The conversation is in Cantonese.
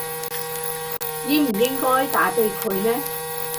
應唔應該打畀佢呢